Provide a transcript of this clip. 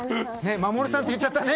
真守さんって言っちゃったね。